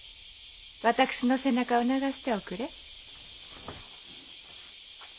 私の背中を流しておくれ。